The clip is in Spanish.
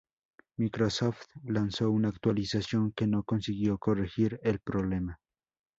Microsoft lanzó una actualización que no consiguió corregir el problema.